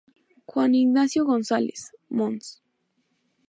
Juan Ignacio González, Mons.